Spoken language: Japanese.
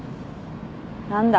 何だ。